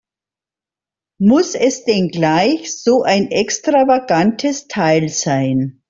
Muss es denn gleich so ein extravagantes Teil sein?